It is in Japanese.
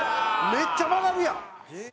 「めっちゃ曲がるやん！」